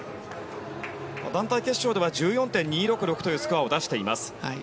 団体決勝では１４．２６６というスコアを出しています。